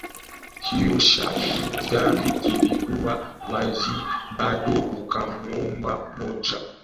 Kioo cha gari kilikuwa wazi bado akamuomba mmoja amuitie yule mwanamke